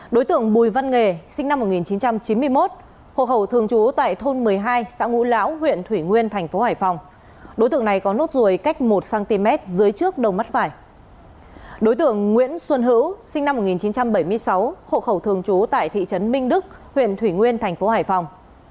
đối tượng nguyễn xuân hữu sinh năm một nghìn chín trăm bảy mươi sáu hộ khẩu thường trú tại thị trấn minh đức huyện thủy nguyên tp hải phòng